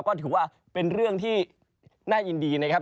ก็ถือว่าเป็นเรื่องที่น่ายินดีนะครับ